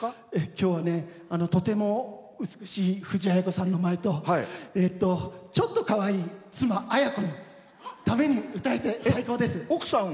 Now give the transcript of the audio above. きょうは、とても美しい藤あや子さんの前とちょっとかわいい妻、あやこのために歌えて最高です。